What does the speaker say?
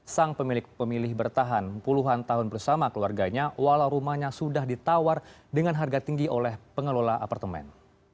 sang pemilik pemilih bertahan puluhan tahun bersama keluarganya walau rumahnya sudah ditawar dengan harga tinggi oleh pengelola apartemen